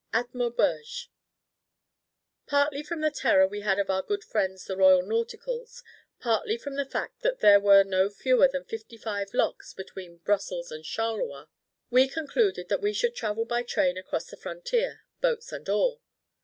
AT MAUBEUGE PARTLY from the terror we had of our good friends the Royal Nauticals, partly from the fact that there were no fewer than fifty five locks between Brussels and Charleroi, we concluded that we should travel by train across the frontier, boats and all.